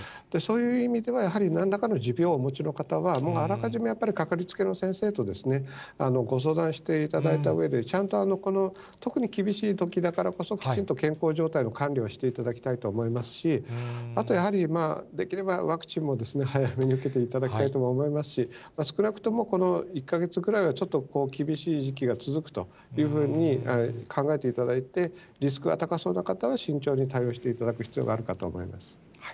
そういう意味では、やはりなんらかの持病をお持ちの方は、もうあらかじめかかりつけの先生とご相談していただいたうえで、ちゃんとこの、特に厳しいときだからこそ、きちんと健康状態の管理をしていただきたいと思いますし、あとやはり、できればワクチンも早めに受けていただきたいと思いますし、少なくともこの１か月ぐらいは、ちょっと厳しい時期が続くというふうに考えていただいて、リスクが高そうな方は、慎重に対応していただく必要があるかと思います。